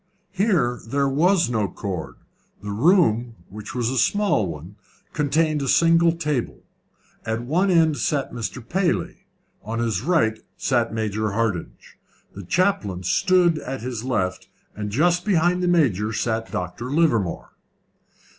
Here there was no cord. The room which was a small one contained a single table. At one end sat Mr. Paley, on his right sat Major Hardinge, the chaplain stood at his left, and just behind the Major sat Dr. Livermore.